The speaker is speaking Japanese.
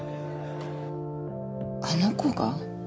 あの子が？